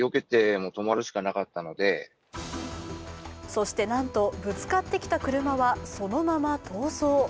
そしてなんと、ぶつかってきた車はそのまま逃走。